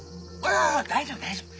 大丈夫大丈夫。